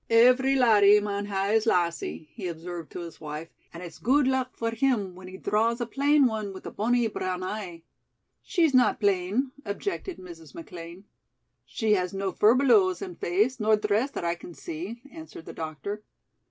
"Every laddie maun hae his lassie," he observed to his wife, "and it's gude luck for him when he draws a plain one with a bonnie brown eye." "She's not plain," objected Mrs. McLean. "She has no furbelows in face nor dress that I can see," answered the doctor.